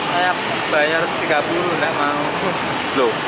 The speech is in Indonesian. bayar tiga puluh enggak mau